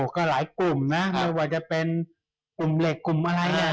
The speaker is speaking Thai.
ก็หลายกลุ่มนะไม่ว่าจะเป็นกลุ่มเหล็กกลุ่มอะไร